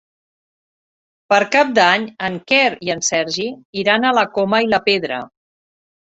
Per Cap d'Any en Quer i en Sergi iran a la Coma i la Pedra.